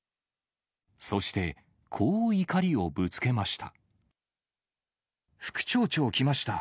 そして、こう怒りをぶつけました。